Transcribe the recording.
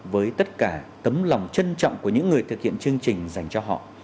với tất cả tấm lòng trân trọng của những người thực hiện chương trình dành cho họ